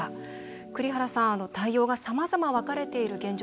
栗原さん、対応がさまざま分かれている現状